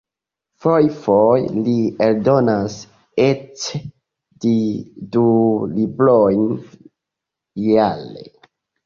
Fojfoje li eldonas eĉ du librojn jare.